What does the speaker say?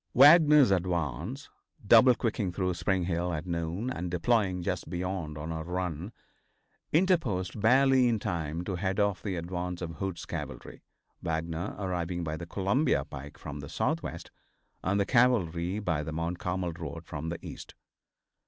Wagner's advance, double quicking through Spring Hill at noon, and deploying just beyond on a run, interposed barely in time to head off the advance of Hood's cavalry, Wagner arriving by the Columbia pike from the southwest and the cavalry by the Mount Carmel road from the east.